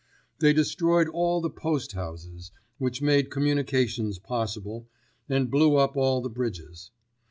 They destroyed all the post houses, which made communications possible, and blew up all the bridges.